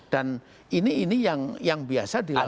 dan ini ini yang biasa dilakukan